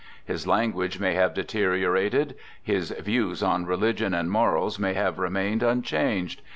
His language may have deteriorated. His " views " on religion and morals may have remained unchanged.